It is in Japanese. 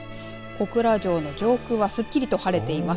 小倉城の上空はすっきりと晴れています。